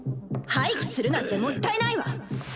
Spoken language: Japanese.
廃棄するなんてもったいないわ。